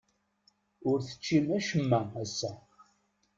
Ur teččim acemma ass-a.